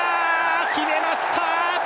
決めました。